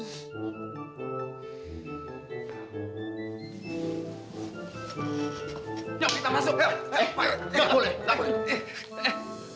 yuk kita masuk